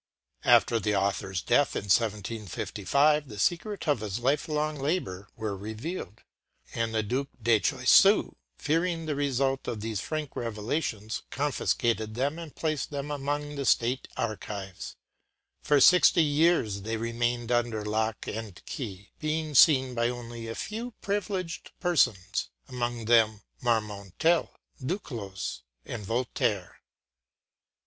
After the author’s death, in 1755, the secret of his lifelong labour was revealed; and the Duc de Choiseul, fearing the result of these frank revelations, confiscated them and placed them among the state archives. For sixty years they remained under lock and key, being seen by only a few privileged persons, among them Marmontel, Duclos, and Voltaire.